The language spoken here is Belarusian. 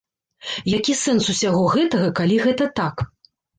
Які сэнс усяго гэтага, калі гэта так?